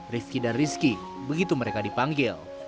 rifqi dan rizki begitu mereka dipanggil